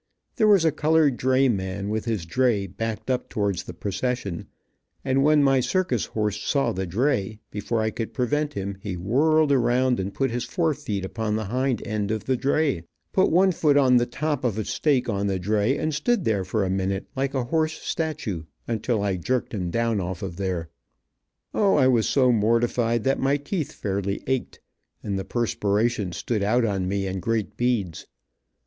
There was a colored drayman, with his dray backed up towards the procession, and when my circus horse saw the dray, before I could prevent him, he whirled around and put his fore feet upon the hind end of the dray, put one foot on the top of a stake on the dray, and stood there for a minute, like a horse statute, until I jerked him down off of there. [Illustration: Stood there for a minute, like a horse statute 297] O, I was so mortified that my teeth fairly ached, and the perspiration stood out on me in great beads.